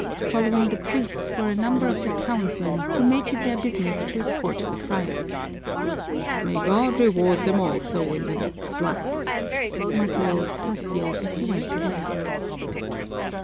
Following the priests were a number of the townsmen who make it their business to escort the friars. "May God reward them also in the next life," muttered old Tasio as he went away.